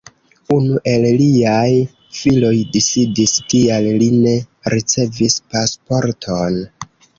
Unu el liaj filoj disidis, tial li ne ricevis pasporton.